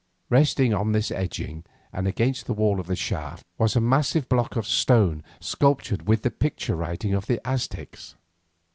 Resting on this edging and against the wall of the shaft, was a massive block of stone sculptured with the picture writing of the Aztecs.